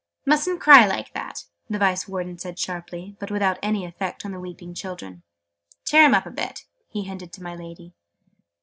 "Mustn't cry like that!" the Vice Warden said sharply, but without any effect on the weeping children. "Cheer 'em up a bit!" he hinted to my Lady.